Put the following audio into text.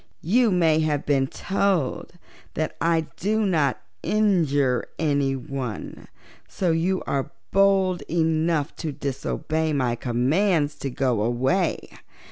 You may have been told that I do not injure anyone, so you are bold enough to disobey my commands to go away.